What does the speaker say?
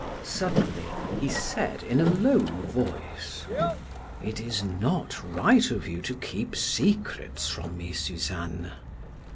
Suddenly, he said in a low voice: "It is not right of you to keep secrets from me, Suzanne."